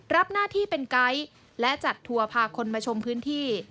รับหน้าที่เป็นไกด์และจัดทัวร์พาคนมาชมพื้นที่